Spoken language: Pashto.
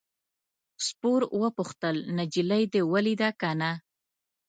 سپور وپوښتل نجلۍ دې ولیده که نه.